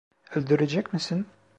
Öldürecek misin?